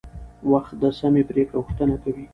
وخت د سمې پریکړې غوښتنه کوي